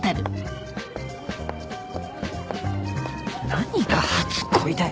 何が初恋だよ。